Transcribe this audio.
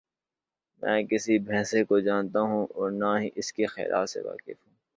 میں کسی بھینسے کو جانتا ہوں اور نہ ہی اس کے خیالات سے واقف ہوں۔